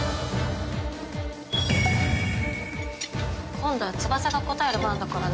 今度は翼が答える番だからね。